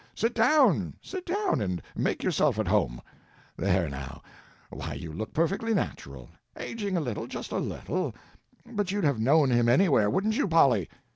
Sit down, sit down, and make yourself at home. There, now—why, you look perfectly natural; aging a little, just a little, but you'd have known him anywhere, wouldn't you, Polly?"